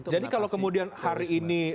jadi kalau kemudian hari ini